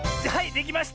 できました！